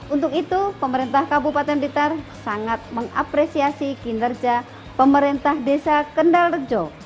untuk itu pemerintah kabupaten blitar sangat mengapresiasi kinerja pemerintah desa kendal rejo